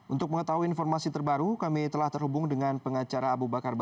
untuk mengetahui informasi terbaru kami telah terhubung dengan pengacara abu bakar